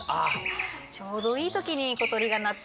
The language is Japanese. ちょうどいい時に小鳥が鳴って。